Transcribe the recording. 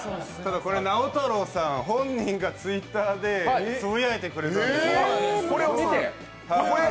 直太朗さん本人がＴｗｉｔｔｅｒでつぶやいてくれてたんです。